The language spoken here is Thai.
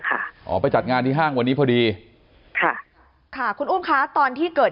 อ๋อไปจัดงานที่ห้างวันนี้พอดีค่ะค่ะคุณอุ้มคะตอนที่เกิด